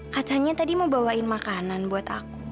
katanya tadi mau bawain makanan buat aku